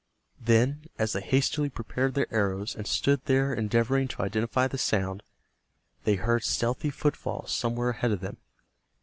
Then, as they hastily prepared their arrows and stood there endeavoring to identify the sound, they heard stealthy footfalls somewhere ahead of them.